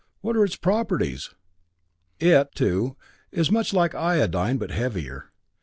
What are its properties?" "It, too, is much like iodine, but heavier.